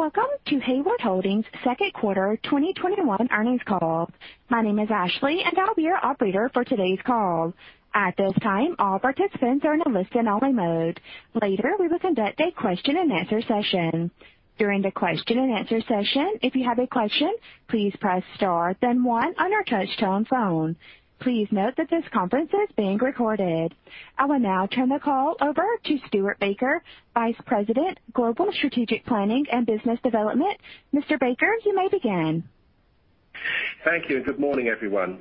Welcome to Hayward Holdings second quarter 2021 earnings call. My name is Ashley, and I'll be your operator for today's call. At this time, all participants are in a listen-only mode. Later, we will conduct a question and answer session. During the question and answer session, if you have a question, please press star then one on your touch-tone phone. Please note that this conference is being recorded. I will now turn the call over to Stuart Baker, Vice President, Global Strategic Planning and Business Development. Mr. Baker, you may begin. Thank you. Good morning, everyone.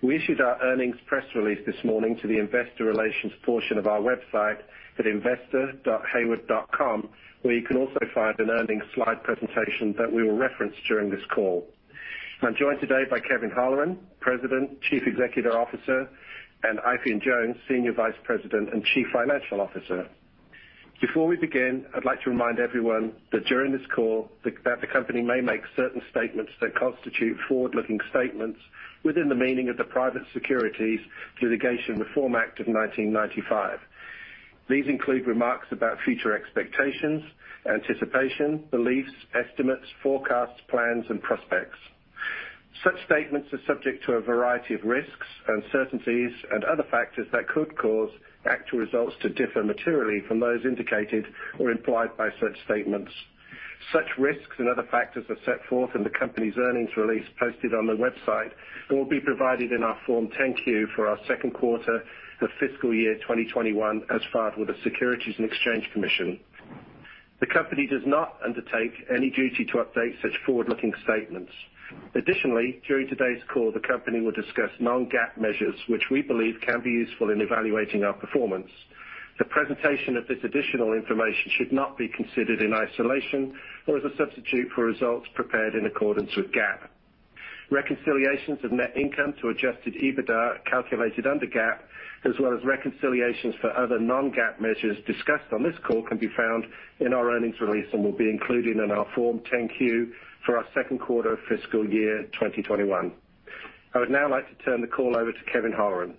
We issued our earnings press release this morning to the investor relations portion of our website at investor.hayward.com, where you can also find an earnings slide presentation that we will reference during this call. I'm joined today by Kevin Holleran, President, Chief Executive Officer, and Eifion Jones, Senior Vice President and Chief Financial Officer. Before we begin, I'd like to remind everyone that during this call, the company may make certain statements that constitute forward-looking statements within the meaning of the Private Securities Litigation Reform Act of 1995. These include remarks about future expectations, anticipation, beliefs, estimates, forecasts, plans, and prospects. Such statements are subject to a variety of risks, uncertainties, and other factors that could cause actual results to differ materially from those indicated or implied by such statements. Such risks and other factors are set forth in the company's earnings release posted on the website and will be provided in our Form 10-Q for our second quarter of fiscal year 2021, as filed with the Securities and Exchange Commission. The company does not undertake any duty to update such forward-looking statements. Additionally, during today's call, the company will discuss Non-GAAP measures, which we believe can be useful in evaluating our performance. The presentation of this additional information should not be considered in isolation or as a substitute for results prepared in accordance with GAAP. Reconciliations of net income to Adjusted EBITDA calculated under GAAP, as well as reconciliations for other Non-GAAP measures discussed on this call, can be found in our earnings release and will be included in our Form 10-Q for our second quarter fiscal year 2021. I would now like to turn the call over to Kevin Holleran.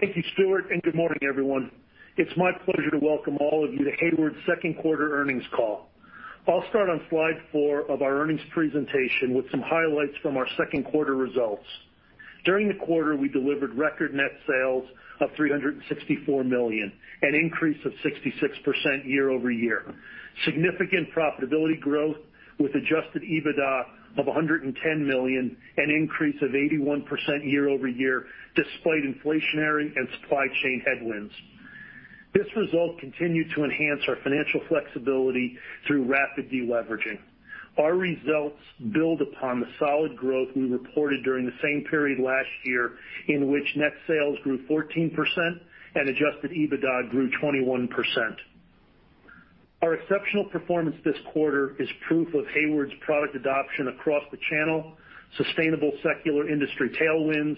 Thank you, Stuart, and good morning, everyone. It's my pleasure to welcome all of you to Hayward's second quarter earnings call. I will start on slide four of our earnings presentation with some highlights from our second quarter results. During the quarter, we delivered record net sales of $364 million, an increase of 66% year-over-year. Significant profitability growth with Adjusted EBITDA of $110 million, an increase of 81% year-over-year, despite inflationary and supply chain headwinds. This result continued to enhance our financial flexibility through rapid de-leveraging. Our results build upon the solid growth we reported during the same period last year, in which net sales grew 14% and Adjusted EBITDA grew 21%. Our exceptional performance this quarter is proof of Hayward's product adoption across the channel, sustainable secular industry tailwinds,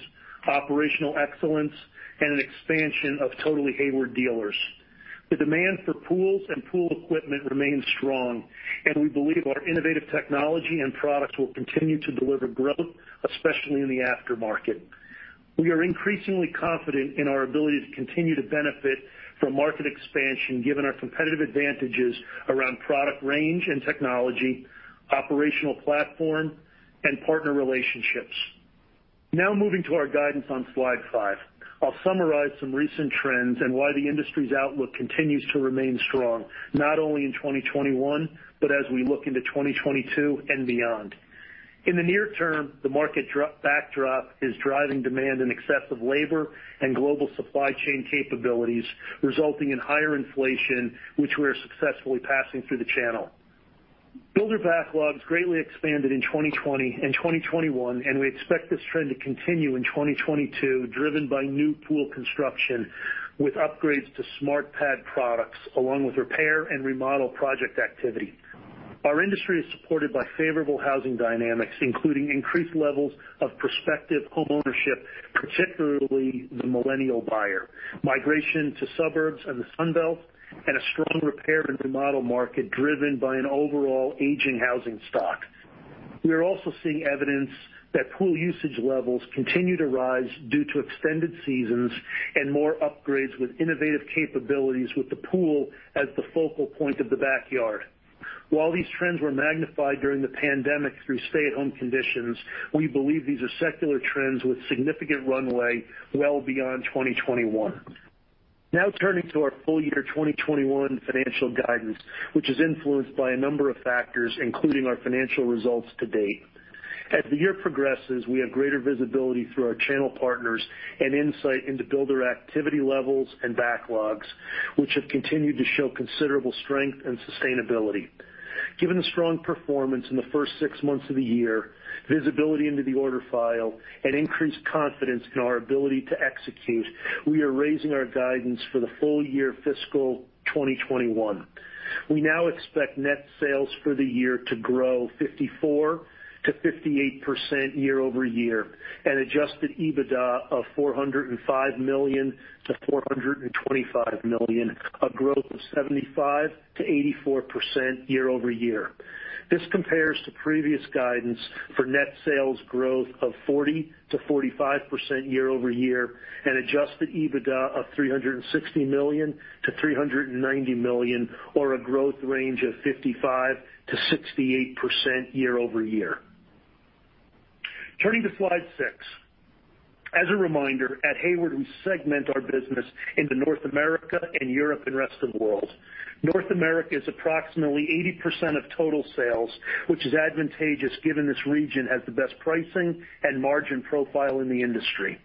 operational excellence, and an expansion of Totally Hayward dealers. The demand for pools and pool equipment remains strong, and we believe our innovative technology and products will continue to deliver growth, especially in the aftermarket. We are increasingly confident in our ability to continue to benefit from market expansion, given our competitive advantages around product range and technology, operational platform, and partner relationships. Moving to our guidance on slide five. I'll summarize some recent trends and why the industry's outlook continues to remain strong, not only in 2021, but as we look into 2022 and beyond. In the near term, the market backdrop is driving demand in excess of labor and global supply chain capabilities, resulting in higher inflation, which we are successfully passing through the channel. Builder backlogs greatly expanded in 2020 and 2021, and we expect this trend to continue in 2022, driven by new pool construction with upgrades to SmartPad products, along with repair and remodel project activity. Our industry is supported by favorable housing dynamics, including increased levels of prospective homeownership, particularly the Millennial buyer, migration to suburbs and the Sun Belt, and a strong repair and remodel market driven by an overall aging housing stock. We are also seeing evidence that pool usage levels continue to rise due to extended seasons and more upgrades with innovative capabilities with the pool as the focal point of the backyard. While these trends were magnified during the pandemic through stay-at-home conditions, we believe these are secular trends with significant runway well beyond 2021. Now turning to our full year 2021 financial guidance, which is influenced by a number of factors, including our financial results to date. As the year progresses, we have greater visibility through our channel partners and insight into builder activity levels and backlogs, which have continued to show considerable strength and sustainability. Given the strong performance in the first six months of the year, visibility into the order file, and increased confidence in our ability to execute, we are raising our guidance for the full year fiscal 2021. We now expect net sales for the year to grow 54%-58% year-over-year, and Adjusted EBITDA of $405 million-$425 million, a growth of 75%-84% year-over-year. This compares to previous guidance for net sales growth of 40%-45% year-over-year, and Adjusted EBITDA of $360 million-$390 million, or a growth range of 55%-68% year-over-year. Turning to slide six. As a reminder, at Hayward, we segment our business into North America and Europe and rest of the world. North America is approximately 80% of total sales, which is advantageous given this region has the best pricing and margin profile in the industry.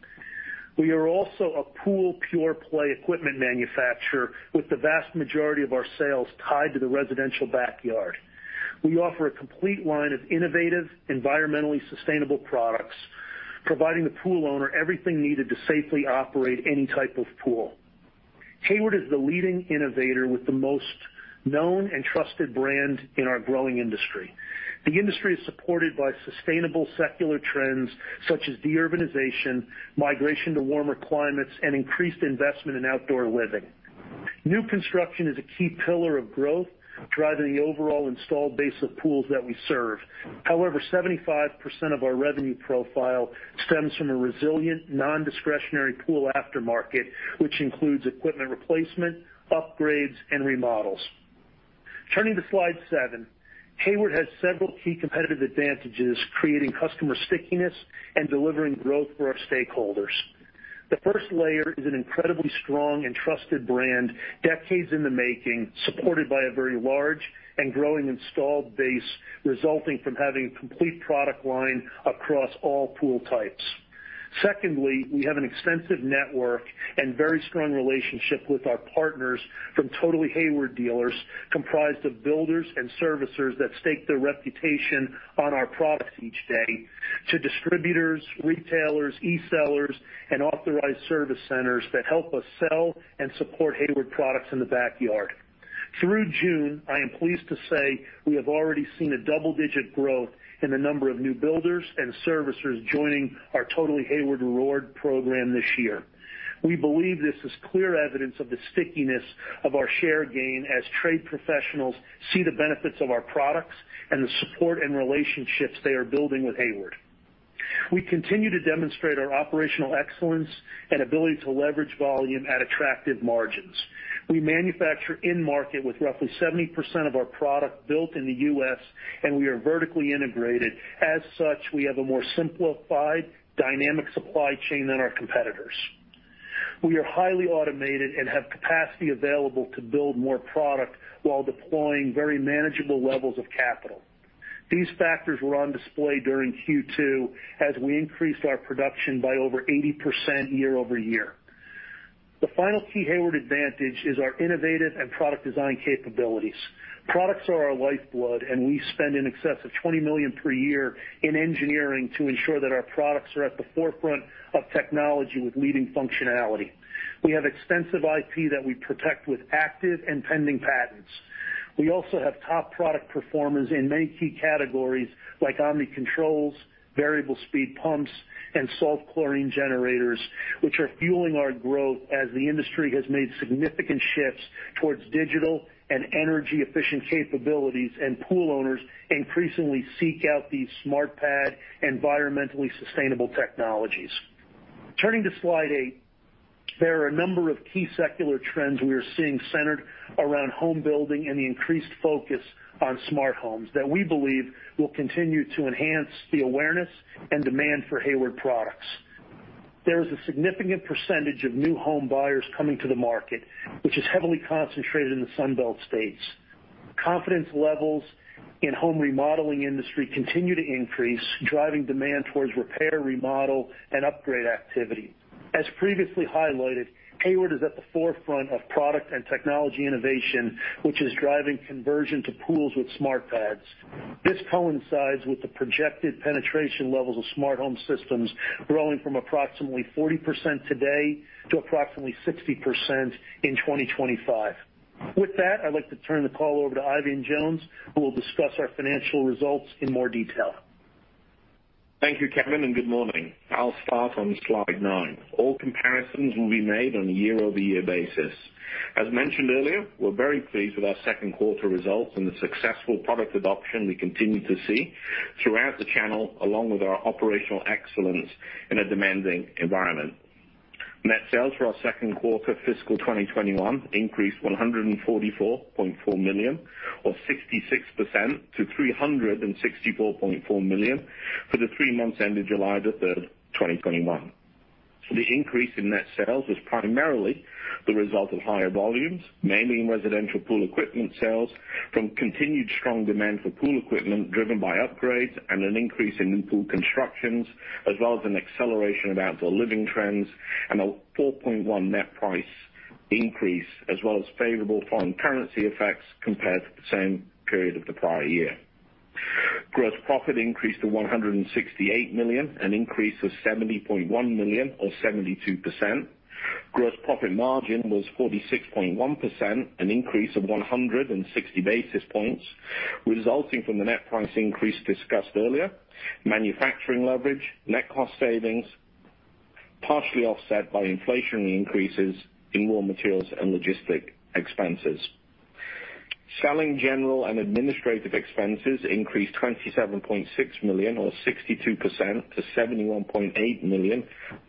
We are also a pool pure play equipment manufacturer, with the vast majority of our sales tied to the residential backyard. We offer a complete line of innovative, environmentally sustainable products, providing the pool owner everything needed to safely operate any type of pool. Hayward is the leading innovator with the most known and trusted brand in our growing industry. The industry is supported by sustainable secular trends such as de-urbanization, migration to warmer climates, and increased investment in outdoor living. New construction is a key pillar of growth, driving the overall installed base of pools that we serve. However, 75% of our revenue profile stems from a resilient non-discretionary pool aftermarket, which includes equipment replacement, upgrades, and remodels. Turning to slide seven. Hayward has several key competitive advantages, creating customer stickiness and delivering growth for our stakeholders. The first layer is an incredibly strong and trusted brand, decades in the making, supported by a very large and growing installed base, resulting from having a complete product line across all pool types. Secondly, we have an extensive network and very strong relationship with our partners from Totally Hayward dealers, comprised of builders and servicers that stake their reputation on our products each day to distributors, retailers, e-sellers, and authorized service centers that help us sell and support Hayward products in the backyard. Through June, I am pleased to say, we have already seen a double-digit growth in the number of new builders and servicers joining our Totally Hayward reward program this year. We believe this is clear evidence of the stickiness of our share gain as trade professionals see the benefits of our products and the support and relationships they are building with Hayward. We continue to demonstrate our operational excellence and ability to leverage volume at attractive margins. We manufacture in-market with roughly 70% of our product built in the U.S., and we are vertically integrated. As such, we have a more simplified, dynamic supply chain than our competitors. We are highly automated and have capacity available to build more product while deploying very manageable levels of capital. These factors were on display during Q2 as we increased our production by over 80% year-over-year. The final key Hayward advantage is our innovative and product design capabilities. Products are our lifeblood, and we spend in excess of $20 million per year in engineering to ensure that our products are at the forefront of technology with leading functionality. We have extensive IP that we protect with active and pending patents. We also have top product performers in many key categories like Omni controls, variable speed pumps, and salt chlorine generators, which are fueling our growth as the industry has made significant shifts towards digital and energy-efficient capabilities, and pool owners increasingly seek out these SmartPad environmentally sustainable technologies. Turning to slide eight. There are a number of key secular trends we are seeing centered around home building and the increased focus on smart homes that we believe will continue to enhance the awareness and demand for Hayward products. There is a significant percentage of new home buyers coming to the market, which is heavily concentrated in the Sun Belt states. Confidence levels in home remodeling industry continue to increase, driving demand towards repair, remodel, and upgrade activity. As previously highlighted, Hayward is at the forefront of product and technology innovation, which is driving conversion to pools with SmartPads. This coincides with the projected penetration levels of smart home systems growing from approximately 40% today to approximately 60% in 2025. With that, I'd like to turn the call over to Eifion Jones, who will discuss our financial results in more detail. Thank you, Kevin, and good morning. I'll start on slide nine. All comparisons will be made on a year-over-year basis. As mentioned earlier, we're very pleased with our second quarter results and the successful product adoption we continue to see throughout the channel, along with our operational excellence in a demanding environment. Net sales for our second quarter fiscal 2021 increased $144.4 million or 66% to $364.4 million for the three months ended July 3rd, 2021. The increase in net sales was primarily the result of higher volumes, mainly in residential pool equipment sales from continued strong demand for pool equipment driven by upgrades and an increase in new pool constructions, as well as an acceleration of outdoor living trends and a 4.1 net price increase as well as favorable foreign currency effects compared to the same period of the prior year. Gross profit increased to $168 million, an increase of $70.1 million or 72%. Gross profit margin was 46.1%, an increase of 160 basis points, resulting from the net price increase discussed earlier, manufacturing leverage, net cost savings, partially offset by inflationary increases in raw materials and logistics expenses. Selling, general and administrative expenses increased $27.6 million or 62% to $71.8 million,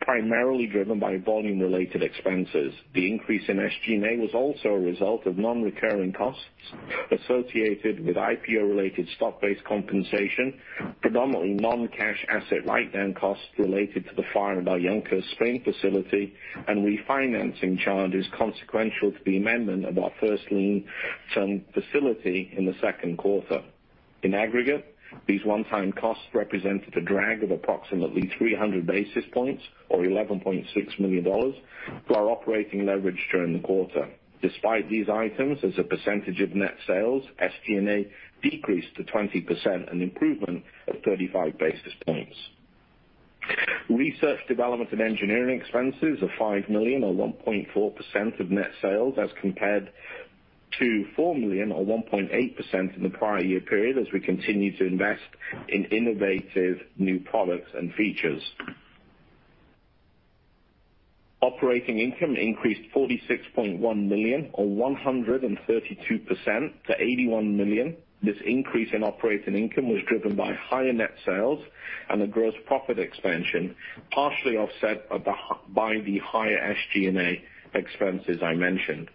primarily driven by volume-related expenses. The increase in SG&A was also a result of non-recurring costs associated with IPO-related stock-based compensation, predominantly non-cash asset write-down costs related to the fire in our Yanka facility, and refinancing charges consequential to the amendment of our first lien term facility in the second quarter. In aggregate, these one-time costs represented a drag of approximately 300 basis points or $11.6 million to our operating leverage during the quarter. Despite these items, as a percentage of net sales, SG&A decreased to 20%, an improvement of 35 basis points. Research development and engineering expenses of $5 million or 1.4% of net sales as compared to $4 million or 1.8% in the prior year period as we continue to invest in innovative new products and features. Operating income increased $46.1 million or 132% to $81 million. This increase in operating income was driven by higher net sales and the gross profit expansion, partially offset by the higher SG&A expenses I mentioned.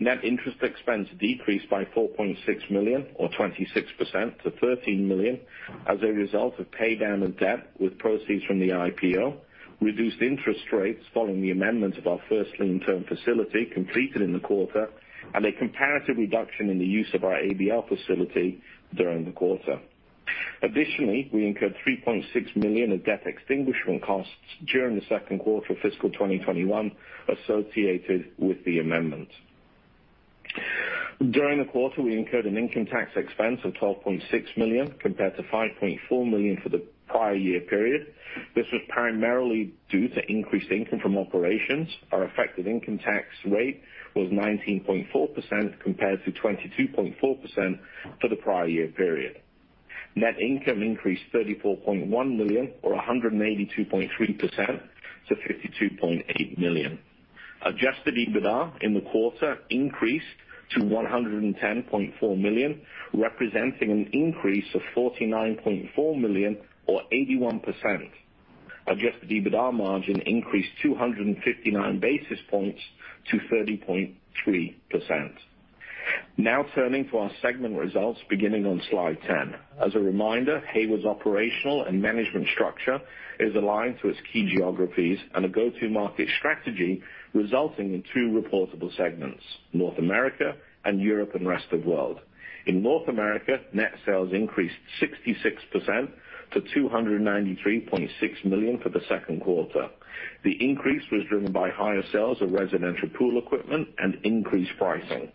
Net interest expense decreased by $4.6 million or 26% to $13 million as a result of pay down of debt with proceeds from the IPO, reduced interest rates following the amendment of our first lien term facility completed in the quarter, and a comparative reduction in the use of our ABL facility during the quarter. Additionally, we incurred $3.6 million of debt extinguishment costs during the second quarter of fiscal 2021 associated with the amendment. During the quarter, we incurred an income tax expense of $12.6 million compared to $5.4 million for the prior year period. This was primarily due to increased income from operations. Our effective income tax rate was 19.4% compared to 22.4% for the prior year period. Net income increased $34.1 million or 182.3% to $52.8 million. Adjusted EBITDA in the quarter increased to $110.4 million, representing an increase of $49.4 million or 81%. Adjusted EBITDA margin increased 259 basis points to 30.3%. Turning to our segment results beginning on slide 10. As a reminder, Hayward's operational and management structure is aligned to its key geographies and a go-to-market strategy resulting in 2 reportable segments, North America and Europe and Rest of World. In North America, net sales increased 66% to $293.6 million for the second quarter. The increase was driven by higher sales of residential pool equipment and increased pricing.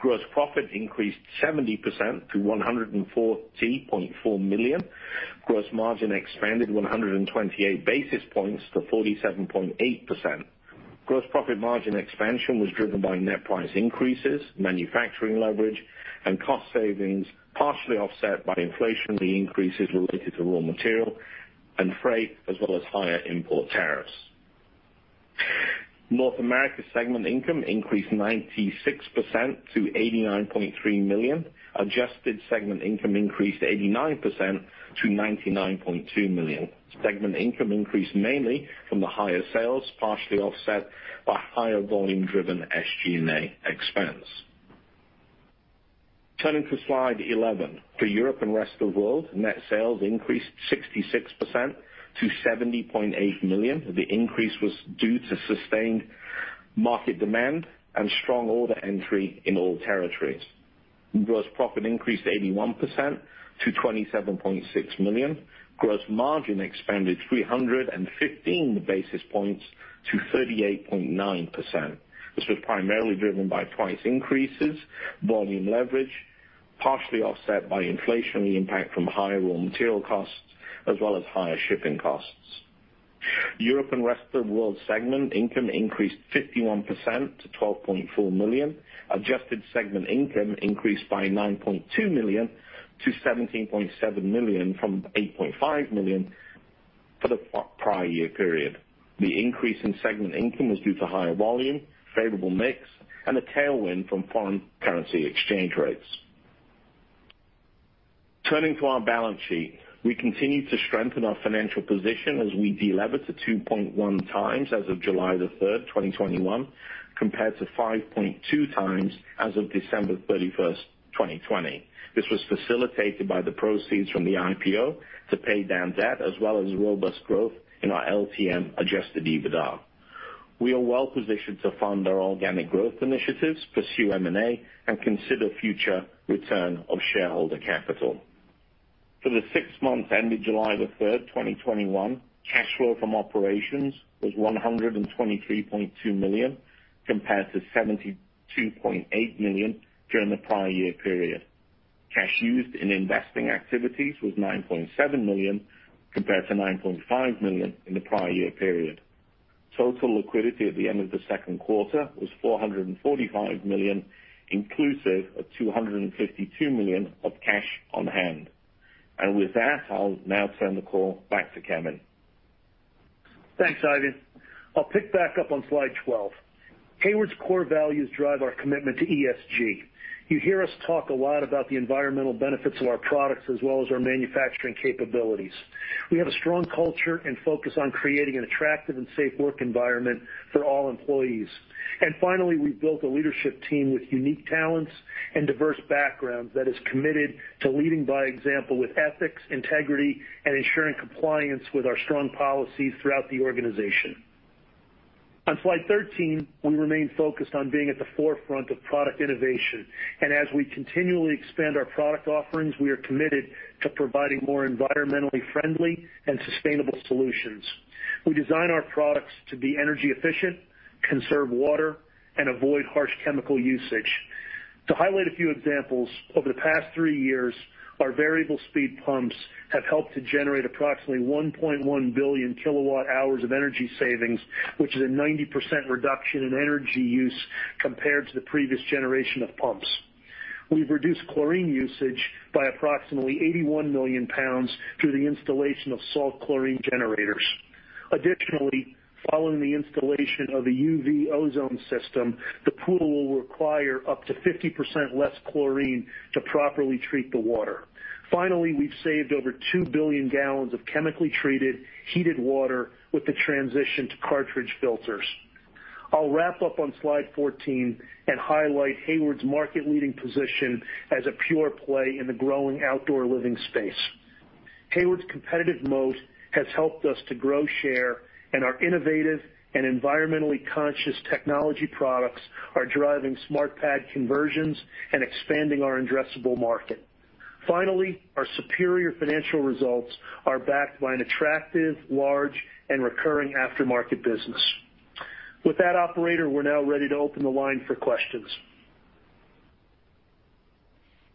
Gross profit increased 70% to $114.4 million. Gross margin expanded 128 basis points to 47.8%. Gross profit margin expansion was driven by net price increases, manufacturing leverage, and cost savings, partially offset by inflationary increases related to raw material and freight, as well as higher import tariffs. North America segment income increased 96% to $89.3 million. Adjusted segment income increased 89% to $99.2 million. Segment income increased mainly from the higher sales, partially offset by higher volume-driven SG&A expense. Turning to slide 11. For Europe and Rest of World, net sales increased 66% to $70.8 million. The increase was due to sustained market demand and strong order entry in all territories. Gross profit increased 81% to $27.6 million. Gross margin expanded 315 basis points to 38.9%. This was primarily driven by price increases, volume leverage, partially offset by inflationary impact from higher raw material costs, as well as higher shipping costs. Europe and Rest of World segment income increased 51% to $12.4 million. Adjusted segment income increased by $9.2 million to $17.7 million from $8.5 million for the prior year period. The increase in segment income was due to higher volume, favorable mix, and a tailwind from foreign currency exchange rates. Turning to our balance sheet. We continue to strengthen our financial position as we de-lever to 2.1x as of July 3rd, 2021, compared to 5.2x as of December 31st, 2020. This was facilitated by the proceeds from the IPO to pay down debt as well as robust growth in our LTM Adjusted EBITDA. We are well-positioned to fund our organic growth initiatives, pursue M&A, and consider future return of shareholder capital. For the six months ended July 3rd, 2021, cash flow from operations was $123.2 million compared to $72.8 million during the prior year period. Cash used in investing activities was $9.7 million compared to $9.5 million in the prior year period. Total liquidity at the end of the second quarter was $445 million, inclusive of $252 million of cash on hand. With that, I'll now turn the call back to Kevin. Thanks, Eifion. I'll pick back up on Slide 12. Hayward's core values drive our commitment to ESG. You hear us talk a lot about the environmental benefits of our products as well as our manufacturing capabilities. We have a strong culture and focus on creating an attractive and safe work environment for all employees. Finally, we've built a leadership team with unique talents and diverse backgrounds that is committed to leading by example with ethics, integrity, and ensuring compliance with our strong policies throughout the organization. On Slide 13, we remain focused on being at the forefront of product innovation. As we continually expand our product offerings, we are committed to providing more environmentally friendly and sustainable solutions. We design our products to be energy efficient, conserve water, and avoid harsh chemical usage. To highlight a few examples, over the past three years, our variable speed pumps have helped to generate approximately 1.1 billion kWh of energy savings, which is a 90% reduction in energy use compared to the previous generation of pumps. We've reduced chlorine usage by approximately 81 million pounds through the installation of salt chlorine generators. Additionally, following the installation of a UV ozone system, the pool will require up to 50% less chlorine to properly treat the water. Finally, we've saved over two billion gallons of chemically treated, heated water with the transition to cartridge filters. I'll wrap up on Slide 14 and highlight Hayward's market-leading position as a pure play in the growing outdoor living space. Hayward's competitive moat has helped us to grow share, and our innovative and environmentally conscious technology products are driving SmartPad conversions and expanding our addressable market. Our superior financial results are backed by an attractive, large and recurring aftermarket business. With that, operator, we are now ready to open the line for questions.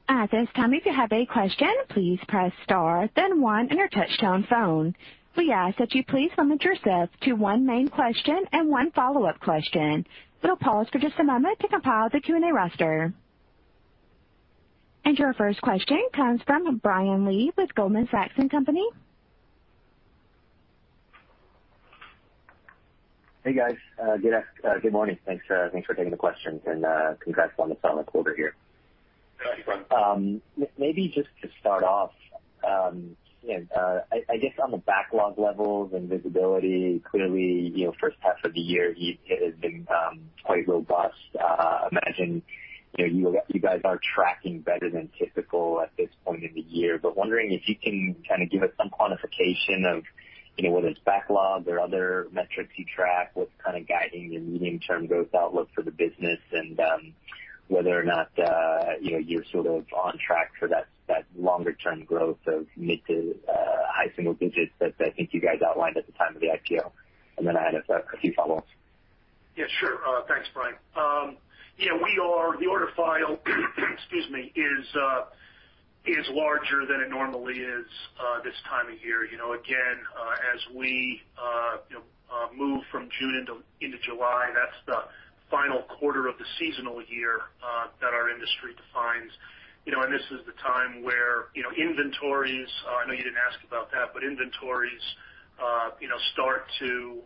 At this time, if you have a question, please press star then one on your touchtone phone. We ask that you please limit yourself to one main question and one follow-up question. We'll pause for just a moment to compile the Q&A roster. Your first question comes from Brian Lee with Goldman Sachs & Co. Hey, guys. Good morning. Thanks for taking the questions, and congrats on the solid quarter here. Good morning, Brian. Maybe just to start off, I guess on the backlog levels and visibility, clearly, first half of the year has been quite robust. I imagine you guys are tracking better than typical at this point in the year. Wondering if you can kind of give us some quantification of whether it's backlog or other metrics you track, what's kind of guiding your medium-term growth outlook for the business and whether or not you're sort of on track for that longer-term growth of mid-to-high single digits that I think you guys outlined at the time of the IPO. I have a few follow-ups. Yeah, sure. Thanks, Brian. The order file is larger than it normally is this time of year. As we move from June into July, that's the final quarter of the seasonal year that our industry defines. This is the time where inventories, I know you didn't ask about that, but inventories start to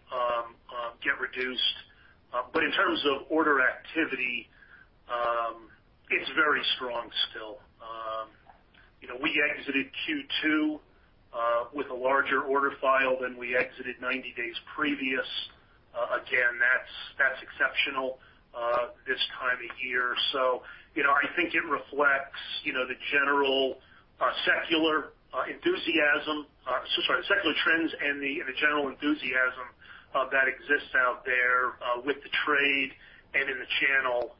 get reduced. In terms of order activity, it's very strong still. We exited Q2 with a larger order file than we exited 90 days previous. That's exceptional this time of year. I think it reflects the general secular trends and the general enthusiasm that exists out there with the trade and in the channel.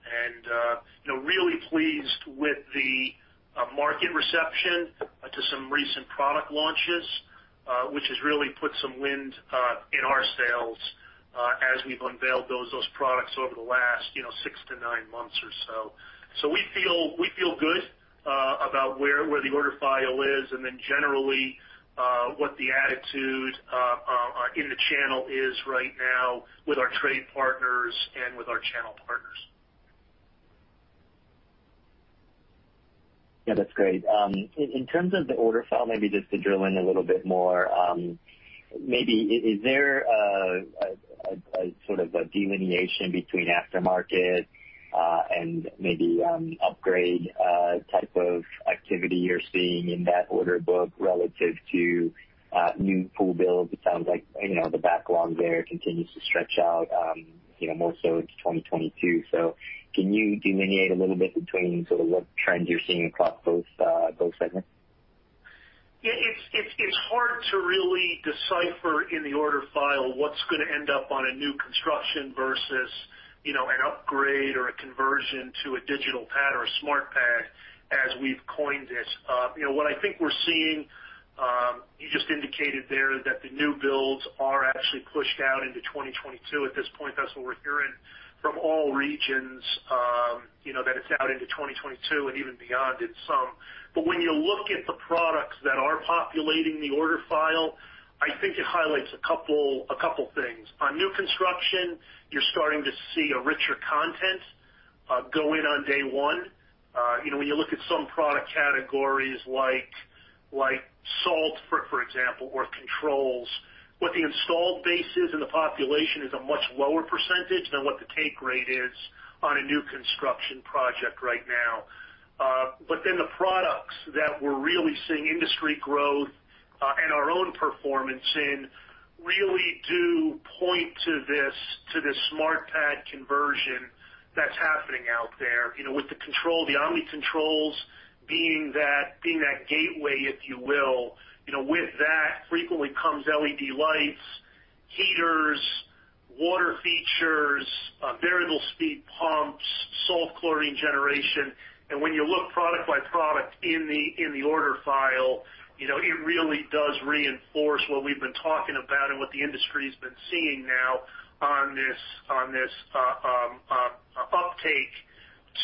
Really pleased with the market reception to some recent product launches, which has really put some wind in our sails as we've unveiled those products over the last six to nine months or so. We feel good about where the order file is, and then generally, what the attitude in the channel is right now with our trade partners and with our channel partners. Yeah, that's great. In terms of the order file, maybe just to drill in a little bit more. Maybe is there a sort of a delineation between aftermarket, and maybe upgrade type of activity you're seeing in that order book relative to new pool builds? It sounds like the backlog there continues to stretch out more so into 2022. Can you delineate a little bit between sort of what trends you're seeing across both segments? Yeah, it's hard to really decipher in the order file what's going to end up on a new construction versus an upgrade or a conversion to a digital pad or a SmartPad as we've coined it. What I think we're seeing, you just indicated there that the new builds are actually pushed out into 2022 at this point. That's what we're hearing from all regions. That it's out into 2022 and even beyond in some. When you look at the products that are populating the order file, I think it highlights a couple things. On new construction, you're starting to see a richer content go in on day one. When you look at some product categories like salt, for example, or controls, what the installed base is in the population is a much lower percentage than what the take rate is on a new construction project right now. The products that we're really seeing industry growth, and our own performance in, really do point to this SmartPad conversion that's happening out there. With the control, the Omni controls being that gateway, if you will. With that frequently comes LED lights, heaters, water features, variable speed pumps, salt chlorine generation. When you look product by product in the order file, it really does reinforce what we've been talking about and what the industry's been seeing now on this uptake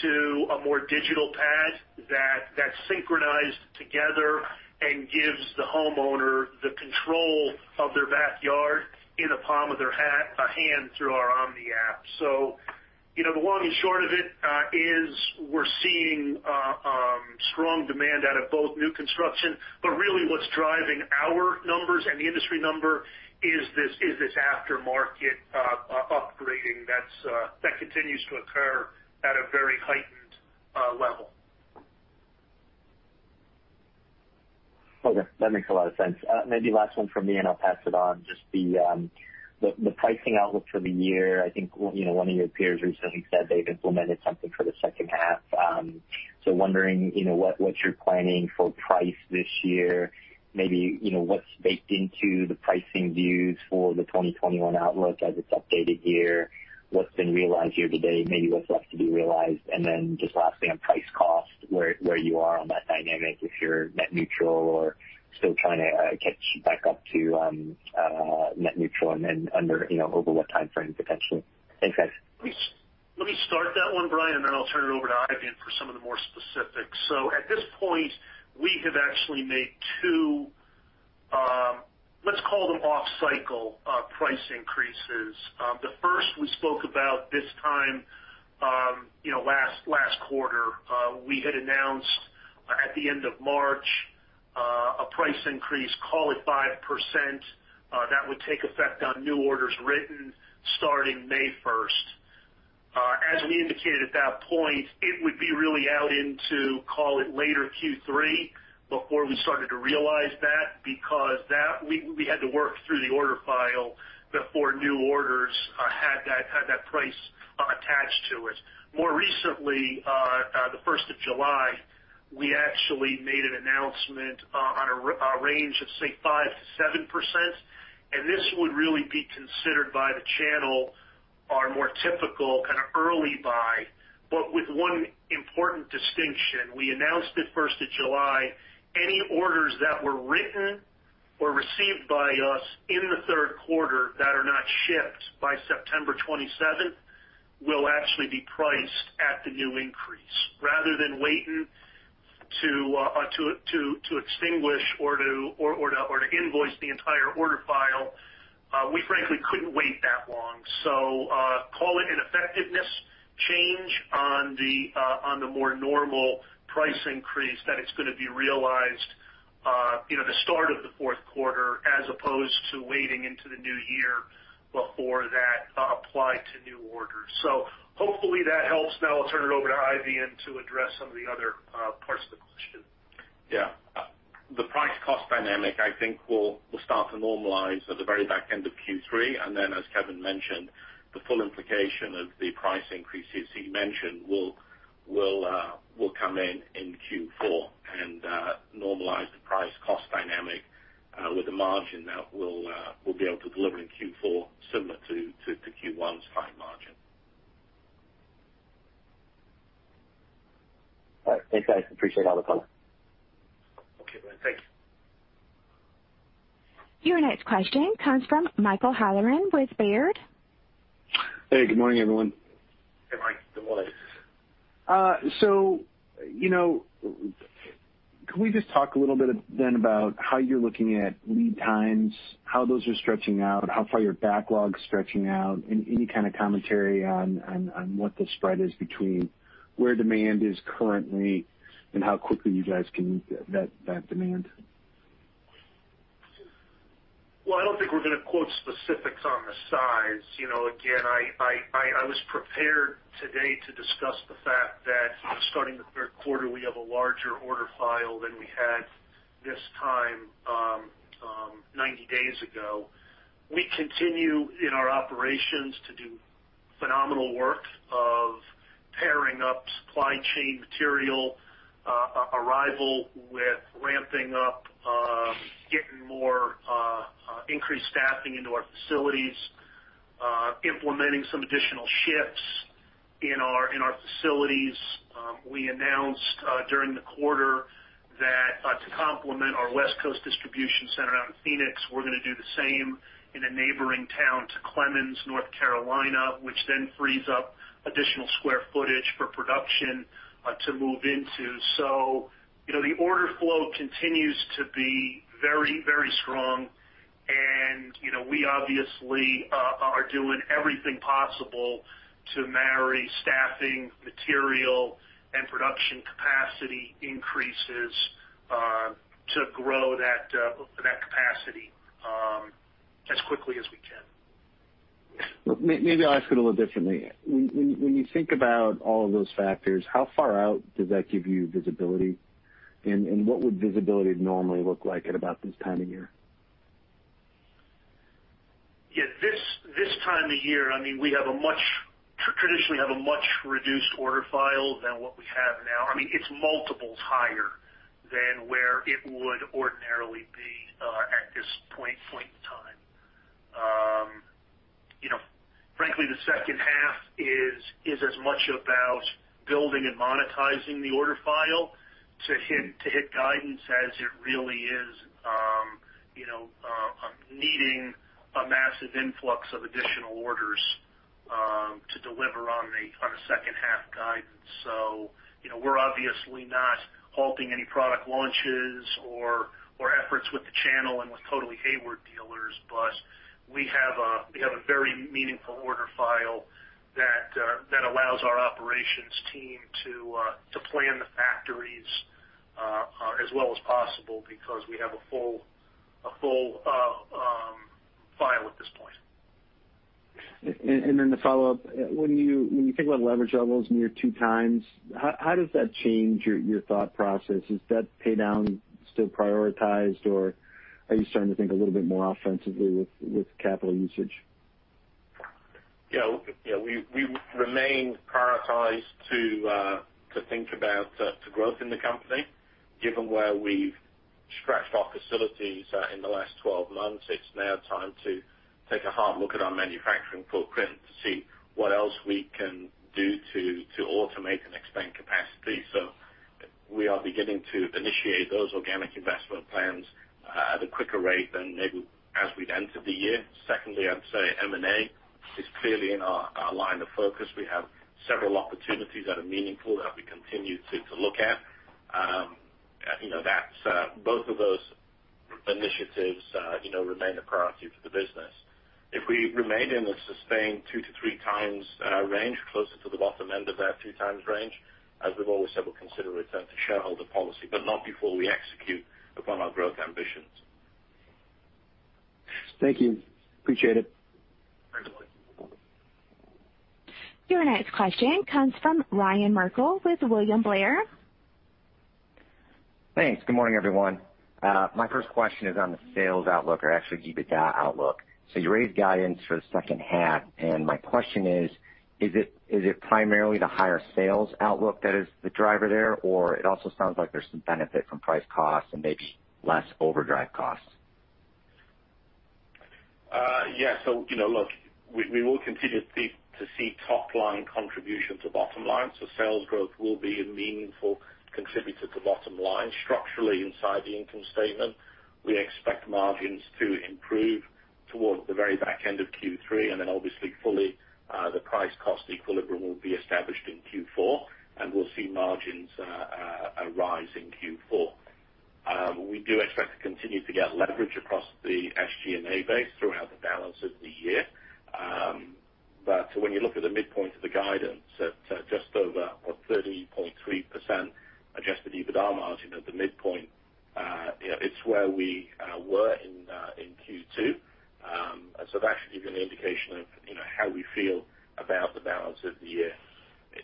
to a more digital pad that's synchronized together and gives the homeowner the control of their backyard in the palm of their hand through our Omni app. The long and short of it is we're seeing strong demand out of both new construction. Really what's driving our numbers and the industry number is this aftermarket upgrading that continues to occur at a very heightened level. Okay. That makes a lot of sense. Maybe last one from me, I'll pass it on. Just the pricing outlook for the year. I think one of your peers recently said they've implemented something for the second half. Wondering what you're planning for price this year, maybe what's baked into the pricing views for the 2021 outlook as it's updated here. What's been realized year-to-date, maybe what's left to be realized. Just lastly, on price cost, where you are on that dynamic, if you're net neutral or still trying to catch back up to net neutral and then over what timeframe, potentially. Thanks, guys. Let me start that one, Brian, and then I'll turn it over to Eifion for some of the more specifics. At this point, we have actually made two, let's call them off cycle price increases. The first we spoke about this time last quarter. We had announced at the end of March, a price increase, call it 5%, that would take effect on new orders written starting May 1st. As we indicated at that point, it would be really out into, call it later Q3, before we started to realize that, because we had to work through the order file before new orders had that price attached to it. More recently, the July 1st, we actually made an announcement on a range of, say, 5%-7%. This would really be considered by the channel our more typical kind of Early Buy, but with one important distinction. We announced the July 1st, any orders that were written or received by us in the third quarter that are not shipped by September 27th will actually be priced at the new increase, rather than waiting to extinguish or to invoice the entire order file. We frankly couldn't wait that long. Call it an effectiveness change on the more normal price increase that it's going to be realized the start of the fourth quarter as opposed to waiting into the new year before that applied to new orders. Hopefully that helps. Now I'll turn it over to Eifion to address some of the other parts of the question. The price cost dynamic, I think will start to normalize at the very back end of Q3. As Kevin mentioned, the full implication of the price increases he mentioned will come in in Q4 and normalize the price cost dynamic with the margin that we'll be able to deliver in Q4 similar to Q1's fine margin. All right. Thanks, guys. Appreciate all the color. Okay, Brian. Thank you. Your next question comes from Michael Halloran with Baird. Hey, good morning, everyone. Hey, Mike. Good morning. Could we just talk a little bit then about how you're looking at lead times, how those are stretching out, how far your backlog's stretching out, and any kind of commentary on what the spread is between where demand is currently and how quickly you guys can meet that demand? Well, I don't think we're going to quote specifics on the size. Again, I was prepared today to discuss the fact that starting the third quarter, we have a larger order file than we had this time 90 days ago. We continue in our operations to do phenomenal work of pairing up supply chain material arrival with ramping up, getting more increased staffing into our facilities, implementing some additional shifts in our facilities. We announced during the quarter that to complement our West Coast distribution center out in Phoenix, we're going to do the same in a neighboring town to Clemmons, North Carolina, which then frees up additional square footage for production to move into. The order flow continues to be very, very strong. We obviously are doing everything possible to marry staffing, material, and production capacity increases to grow that capacity as quickly as we can. Maybe I'll ask it a little differently. When you think about all of those factors, how far out does that give you visibility? What would visibility normally look like at about this time of year? Yeah. This time of year, traditionally, we have a much reduced order file than what we have now. It's multiples higher than where it would ordinarily be at this point in time. Frankly, the second half is as much about building and monetizing the order file to hit guidance as it really is needing a massive influx of additional orders to deliver on the second half guidance. We're obviously not halting any product launches or efforts with the channel and with Totally Hayward dealers. We have a very meaningful order file that allows our operations team to plan the factories as well as possible because we have a full file at this point. The follow-up, when you think about leverage levels near 2x, how does that change your thought process? Is that pay down still prioritized, or are you starting to think a little bit more offensively with capital usage? Yeah. We remain prioritized to think about growth in the company. Given where we've stretched our facilities in the last 12 months, it's now time to take a hard look at our manufacturing footprint to see what else we can do to automate and expand capacity. We are beginning to initiate those organic investment plans at a quicker rate than maybe as we'd entered the year. Secondly, I'd say M&A is clearly in our line of focus. We have several opportunities that are meaningful that we continue to look at. Both of those initiatives remain a priority for the business. If we remain in the sustained 2x-3x range, closer to the bottom end of that two times range, as we've always said, we'll consider return to shareholder policy, but not before we execute upon our growth ambitions. Thank you. Appreciate it. Thanks. Your next question comes from Ryan Merkel with William Blair. Thanks. Good morning, everyone. My first question is on the sales outlook or actually EBITDA outlook. You raised guidance for the second half, and my question is: Is it primarily the higher sales outlook that is the driver there, or it also sounds like there's some benefit from price costs and maybe less overdrive costs? Yeah. Look, we will continue to see top-line contribution to bottom line. Sales growth will be a meaningful contributor to bottom line. Structurally, inside the income statement, we expect margins to improve towards the very back end of Q3. Obviously fully, the price cost equilibrium will be established in Q4. We'll see margins rise in Q4. We do expect to continue to get leverage across the SG&A base throughout the balance of the year. When you look at the midpoint of the guidance at just over 30.3% Adjusted EBITDA margin at the midpoint, it's where we were in Q2. That should give you an indication of how we feel about the balance of the year.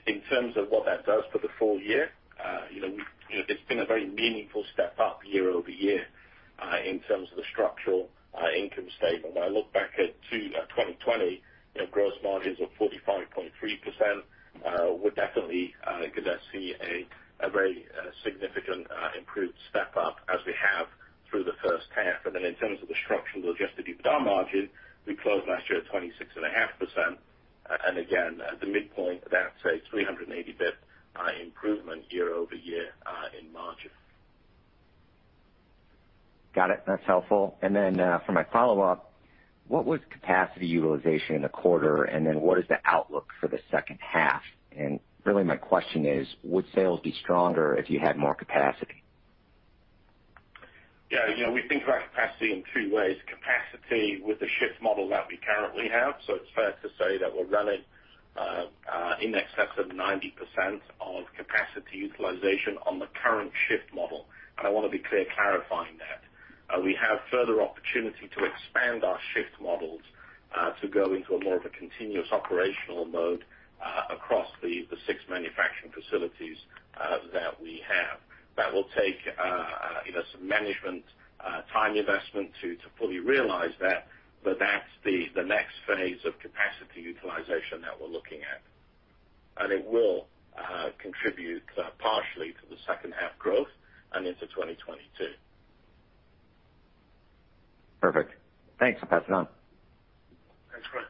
In terms of what that does for the full year, it's been a very meaningful step up year-over-year in terms of the structural income statement. When I look back at 2020, gross margins of 45.3%, we're definitely going to see a very significant improved step up as we have through the first half. In terms of the structural adjusted EBITDA margin, we closed last year at 26.5%. Again, at the midpoint, that's a 380 basis point improvement year-over-year in margin. Got it. That's helpful. Then for my follow-up, what was capacity utilization in the quarter, and then what is the outlook for the second half? Really my question is. Would sales be stronger if you had more capacity? We think about capacity in two ways. Capacity with the shift model that we currently have. It's fair to say that we're running in excess of 90% of capacity utilization on the current shift model. I want to be clear clarifying that. We have further opportunity to expand our shift models to go into a more of a continuous operational mode across the six manufacturing facilities that we have. That will take some management time investment to fully realize that. That's the next phase of capacity utilization that we're looking at. It will contribute partially to the second half growth and into 2022. Perfect. Thanks. I'll pass it on. Thanks, Chris.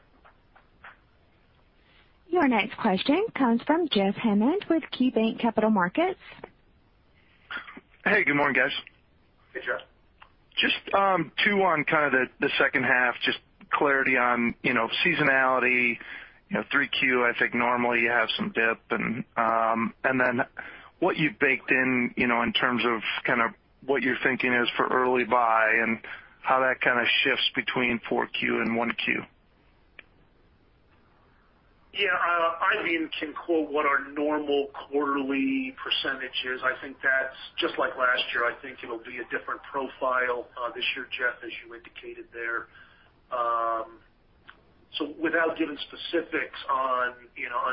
Your next question comes from Jeff Hammond with KeyBanc Capital Markets. Hey, good morning, guys. Hey, Jeff. Just two on kind of the second half, just clarity on seasonality, 3Q, I think normally you have some dip. Then what you've baked in terms of what you're thinking is for Early Buy, and how that kind of shifts between 4Q and 1Q. Yeah. I mean, can quote what our normal quarterly percentage is. I think that's just like last year. I think it'll be a different profile this year, Jeff, as you indicated there. Without giving specifics on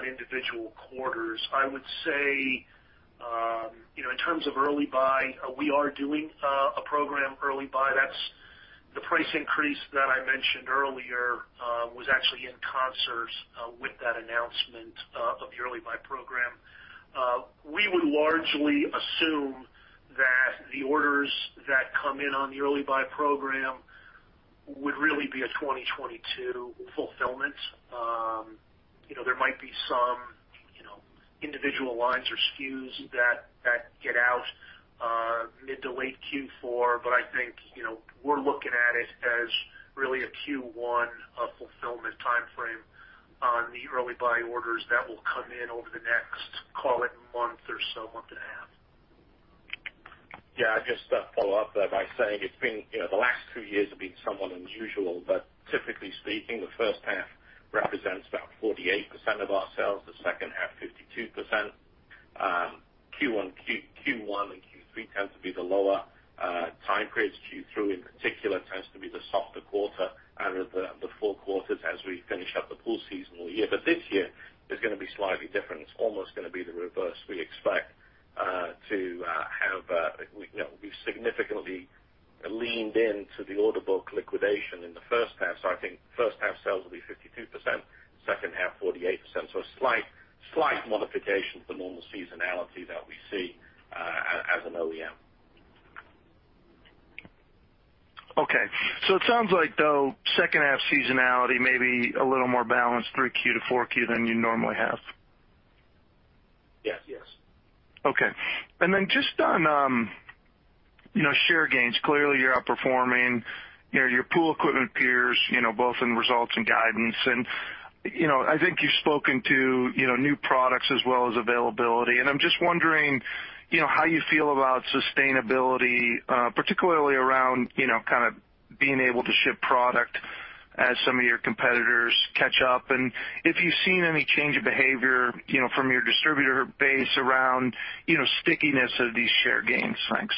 individual quarters, I would say, in terms of Early Buy, we are doing a program Early Buy. The price increase that I mentioned earlier was actually in concert with that announcement of the Early Buy program. We would largely assume that the orders that come in on the Early Buy program would really be a 2022 fulfillment. There might be some individual lines or SKUs that get out mid to late Q4, but I think we're looking at it as really a Q1 fulfillment timeframe on the Early Buy orders that will come in over the next, call it month or so, 1.5 month. Just to follow up there by saying the last two years have been somewhat unusual, but typically speaking, the first half represents about 48% of our sales. The second half, 52%. Q1 and Q3 tend to be the lower time periods. Q3, in particular, tends to be the softer quarter out of the four quarters as we finish up the pool seasonal year. This year is going to be slightly different. It's almost going to be the reverse. We expect to have significantly leaned into the order book liquidation in the first half. I think first half sales will be 52%, second half 48%. A slight modification to the normal seasonality that we see as an OEM. Okay. It sounds like, though, second half seasonality may be a little more balanced 3Q-4Q than you normally have. Yes. Okay. Just on share gains. Clearly, you're outperforming your pool equipment peers, both in results and guidance. I think you've spoken to new products as well as availability. I'm just wondering how you feel about sustainability, particularly around kind of being able to ship product as some of your competitors catch up, and if you've seen any change of behavior from your distributor base around stickiness of these share gains. Thanks.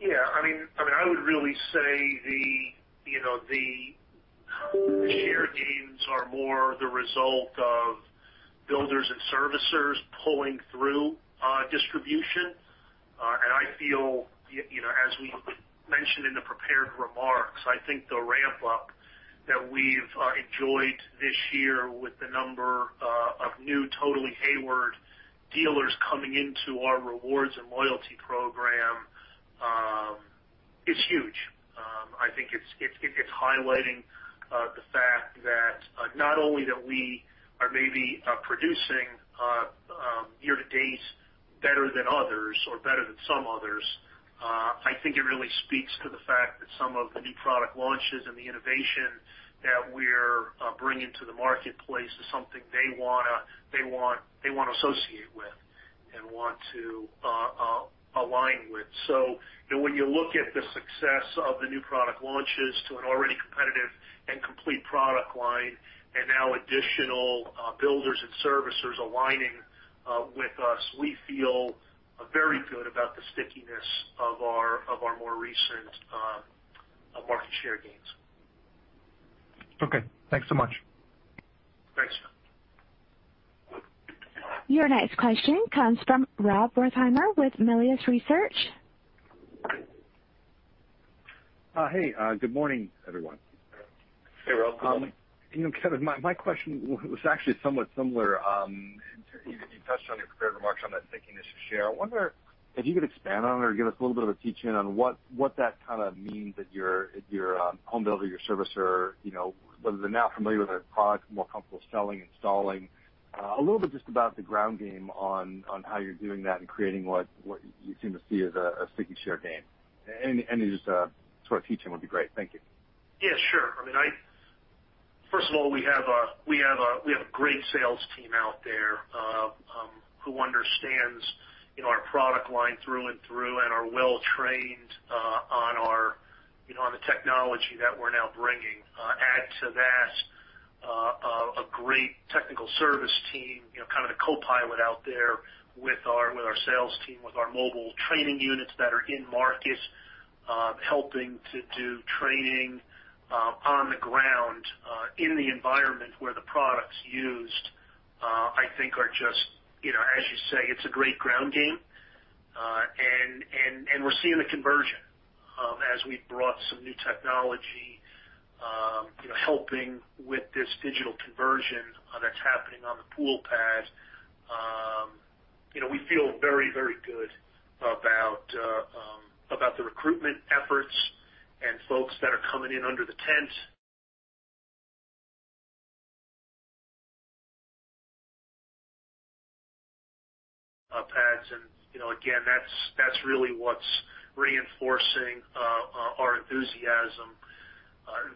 Yeah. I would really say the share gains are more the result of builders and servicers pulling through distribution. I feel, as we mentioned in the prepared remarks, I think the ramp up that we've enjoyed this year with the number of new Totally Hayward dealers coming into our rewards and loyalty program is huge. I think it's highlighting the fact that not only that we are maybe producing year-to-date better than others or better than some others. I think it really speaks to the fact that some of the new product launches and the innovation that we're bringing to the marketplace is something they want to associate with and want to align with. When you look at the success of the new product launches to an already competitive and complete product line, and now additional builders and servicers aligning with us, we feel very good about the stickiness of our more recent market share gains. Okay. Thanks so much. Thanks. Your next question comes from Rob Wertheimer with Melius Research. Hey, good morning, everyone. Hey, Rob. Kind of my question was actually somewhat similar. You touched on your prepared remarks on that stickiness of share. I wonder if you could expand on it or give us a little bit of a teach-in on what that kind of means that your home builder, your servicer, whether they're now familiar with the product, more comfortable selling, installing. A little bit just about the ground game on how you're doing that and creating what you seem to see as a sticky share gain. Any just sort of teach-in would be great. Thank you. Yeah, sure. First of all, we have a great sales team out there who understands our product line through and through and are well trained on the technology that we're now bringing. Add to that a great technical service team, kind of the co-pilot out there with our sales team, with our mobile training units that are in market, helping to do training on the ground in the environment where the product's used, I think are just, as you say, it's a great ground game. We're seeing the conversion as we've brought some new technology, helping with this digital conversion that's happening on the pool pad. We feel very, very good about the recruitment efforts and folks that are coming in under the tent. Pads. Again, that's really what's reinforcing our enthusiasm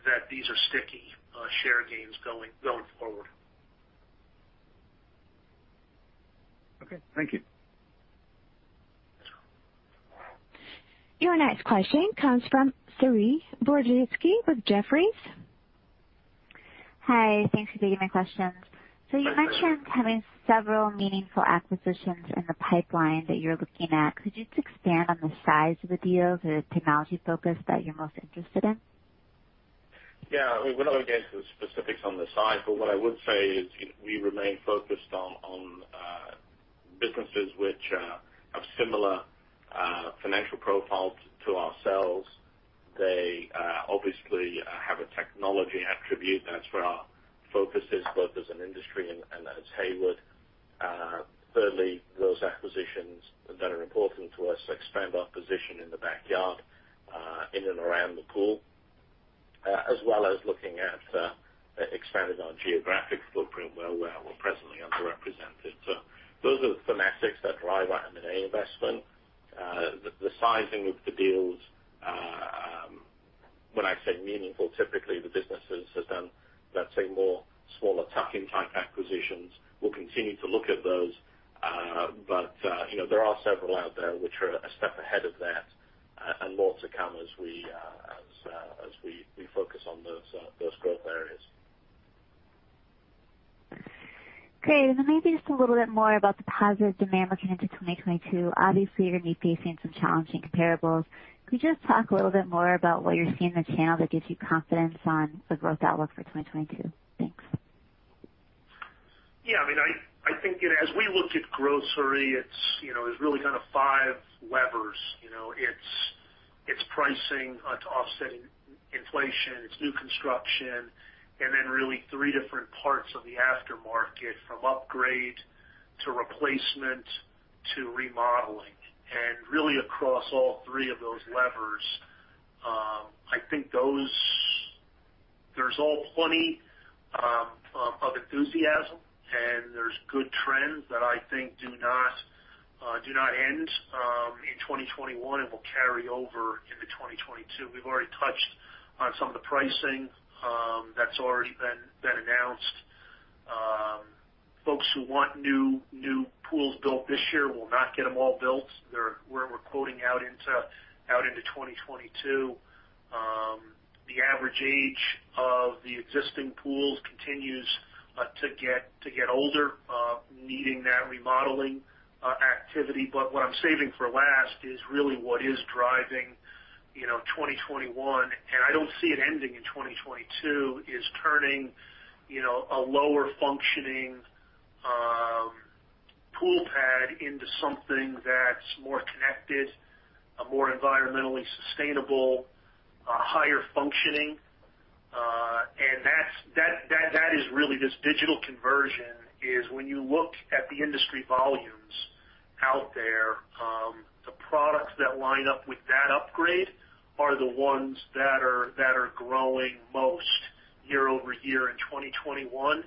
that these are sticky share gains going forward. Okay. Thank you. Your next question comes from Saree Boroditsky with Jefferies. Hi. Thanks for taking my questions. Thanks. You mentioned having several meaningful acquisitions in the pipeline that you're looking at. Could you just expand on the size of the deals or the technology focus that you're most interested in? Yeah. We're not going to get into the specifics on the size, what I would say is we remain focused on businesses which have similar financial profiles to ourselves. They obviously have a technology attribute, that's where our focus is, both as an industry and as Hayward. Thirdly, those acquisitions that are important to us expand our position in the backyard, in and around the pool, as well as looking at expanding our geographic footprint where we're presently underrepresented. Those are the thematics that drive our M&A investment. The sizing of the deals, when I say meaningful, typically the businesses have done, let's say, more smaller tuck-in type acquisitions. We'll continue to look at those. There are several out there which are a step ahead of that and more to come as we focus on those growth areas. Great. Then maybe just a little bit more about the positive demand looking into 2022. Obviously, you're going to be facing some challenging comparables. Could you just talk a little bit more about what you're seeing in the channel that gives you confidence on the growth outlook for 2022? Thanks. I think as we look at growth, there's really kind of five levers. It's pricing to offsetting inflation, it's new construction, and then really three different parts of the aftermarket, from upgrade to replacement to remodeling. Really across all three of those levers, I think there's plenty of enthusiasm and there's good trends that I think do not end in 2021 and will carry over into 2022. We've already touched on some of the pricing that's already been announced. Folks who want new pools built this year will not get them all built. We're quoting out into 2022. The average age of the existing pools continues to get older, needing that remodeling activity. What I'm saving for last is really what is driving 2021, and I don't see it ending in 2022, is turning a lower functioning SmartPad into something that's more connected, a more environmentally sustainable, higher functioning. That is really this digital conversion, is when you look at the industry volumes out there, the products that line up with that upgrade are the ones that are growing most year-over-year in 2021,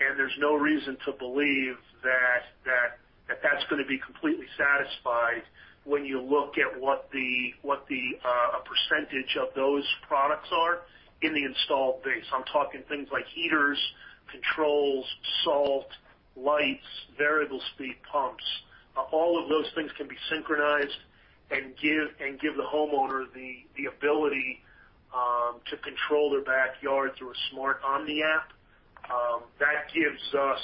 and there's no reason to believe that that's going to be completely satisfied when you look at what the percentage of those products are in the installed base. I'm talking things like heaters, controls, salt, lights, variable speed pumps. All of those things can be synchronized and give the homeowner the ability to control their backyard through a smart Omni app. That gives us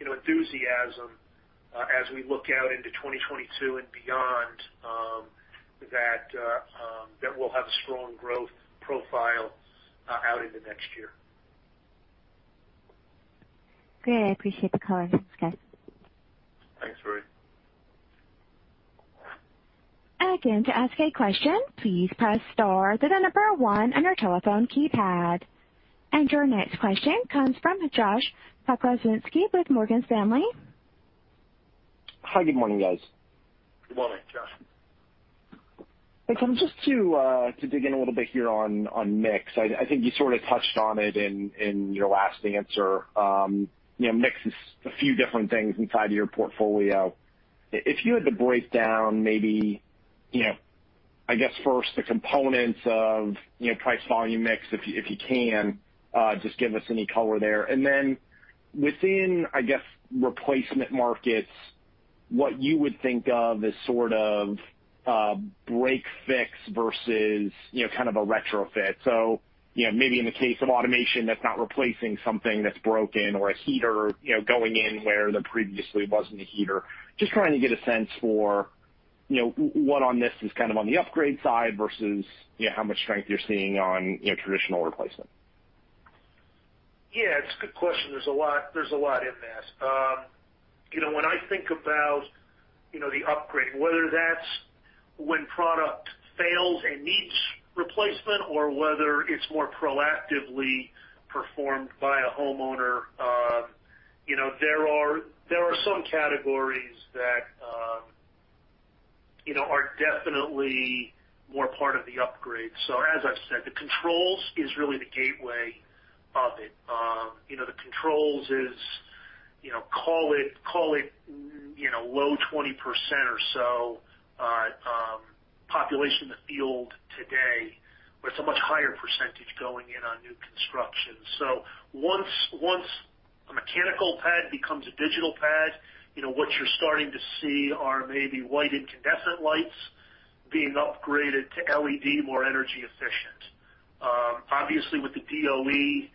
enthusiasm as we look out into 2022 and beyond, that we'll have a strong growth profile out into next year. Great. I appreciate the color. Thanks, guys. Thanks, Saree. Again, to ask a question, please press star, then the number one on your telephone keypad. Your next question comes from Joshua Pokrzywinski with Morgan Stanley. Hi, good morning, guys. Good morning, Josh. Thanks. Just to dig in a little bit here on mix. I think you sort of touched on it in your last answer. Mix is a few different things inside of your portfolio. If you had to break down maybe, I guess first the components of price volume mix, if you can, just give us any color there. Then within replacement markets, what you would think of as sort of break fix versus kind of a retrofit. Maybe in the case of automation that's not replacing something that's broken or a heater going in where there previously wasn't a heater. Just trying to get a sense for what on this is kind of on the upgrade side versus how much strength you're seeing on traditional replacement. Yeah. It's a good question. There's a lot in that. When I think about the upgrade, whether that's when product fails and needs replacement or whether it's more proactively performed by a homeowner. There are some categories that are definitely more part of the upgrade. As I've said, the controls is really the gateway of it. The controls is, call it low 20% or so population in the field today, but it's a much higher percentage going in on new construction. Once a mechanical pad becomes a digital pad, what you're starting to see are maybe white incandescent lights being upgraded to LED, more energy efficient. Obviously, with the DOE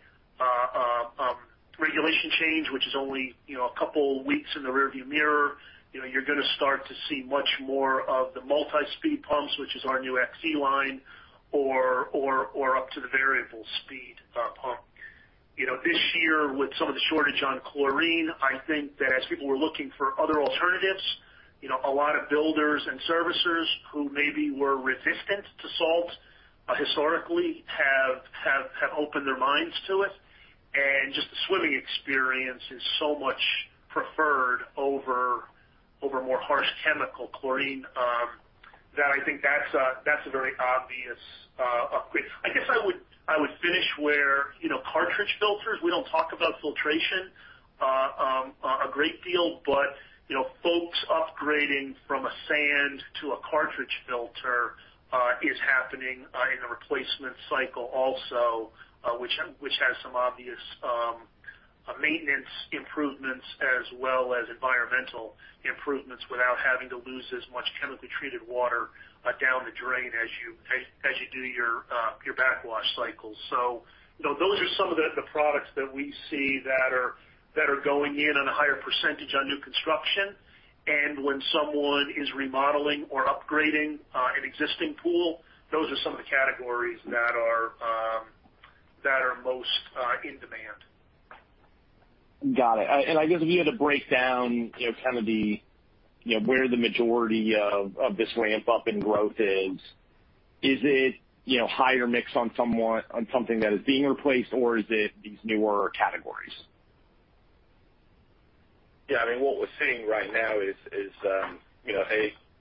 regulation change, which is only a couple of weeks in the rear view mirror, you're going to start to see much more of the multi-speed pumps, which is our new XE line, or up to the variable speed pump. This year, with some of the shortage on chlorine, I think that as people were looking for other alternatives, a lot of builders and servicers who maybe were resistant to salt historically have opened their minds to it. Just the swimming experience is so much preferred over more harsh chemical chlorine. I think that's a very obvious upgrade. I guess I would finish where cartridge filters, we don't talk about filtration a great deal, but folks upgrading from a sand to a cartridge filter is happening in the replacement cycle also, which has some obvious maintenance improvements as well as environmental improvements without having to lose as much chemically treated water down the drain as you do your backwash cycles. Those are some of the products that we see that are going in on a higher percentage on new construction. When someone is remodeling or upgrading an existing pool, those are some of the categories that are most in demand. Got it. I guess if you had to break down kind of where the majority of this ramp-up in growth is it higher mix on something that is being replaced, or is it these newer categories? Yeah, what we're seeing right now is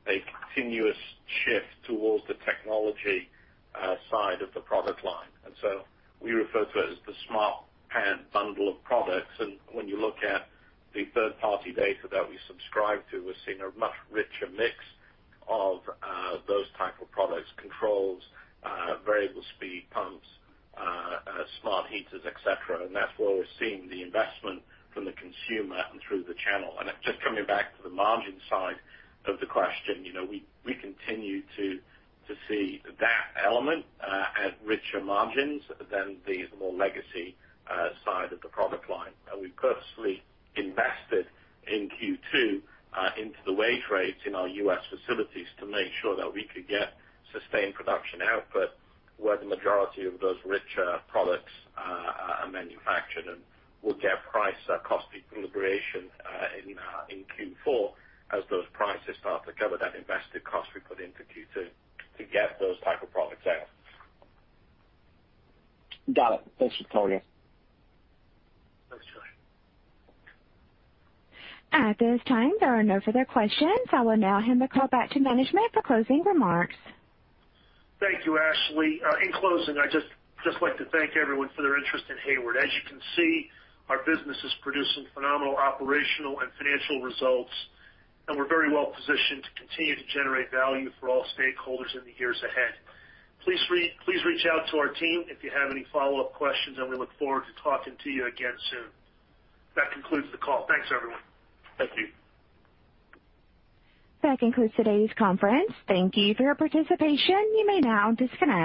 a continuous shift towards the technology side of the product line. We refer to it as the SmartPad bundle of products. When you look at the third-party data that we subscribe to, we're seeing a much richer mix of those type of products, controls, variable speed pumps, smart heaters, et cetera. That's where we're seeing the investment from the consumer and through the channel. Just coming back to the margin side of the question, we continue to see that element at richer margins than the more legacy side of the product line. We've purposely invested in Q2 into the wage rates in our U.S. facilities to make sure that we could get sustained production output where the majority of those richer products are manufactured, and we'll get price cost deliberation in Q4 as those prices start to cover that invested cost we put into Q2 to get those type of products out. Got it. Thanks, Elfon. Thanks, Joshua. At this time, there are no further questions. I will now hand the call back to management for closing remarks. Thank you, Ashley. In closing, I'd just like to thank everyone for their interest in Hayward. As you can see, our business is producing phenomenal operational and financial results, and we're very well positioned to continue to generate value for all stakeholders in the years ahead. Please reach out to our team if you have any follow-up questions, and we look forward to talking to you again soon. That concludes the call. Thanks, everyone. Thank you. That concludes today's conference. Thank you for your participation. You may now disconnect.